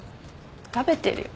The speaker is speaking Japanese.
食べてるよ。